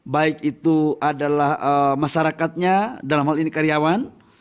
baik itu adalah masyarakatnya dalam hal ini karyawan